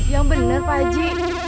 yang bener pak haji